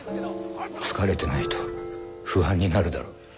疲れてないと不安になるだろ。